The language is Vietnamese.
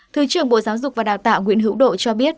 thứ trưởng bộ giáo dục và đào tạo nguyễn hữu độ cho biết